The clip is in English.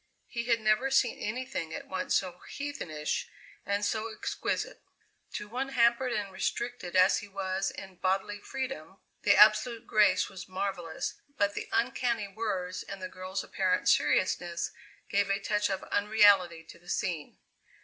He had never seen anything at once so heathenish and so exquisite. To one hampered and restricted as he was in bodily freedom, the absolute grace was marvellous, but the uncanny words and the girl's apparent seriousness gave a touch of unreality to the scene.